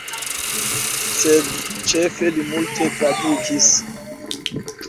Sed ĉefe li multe tradukis.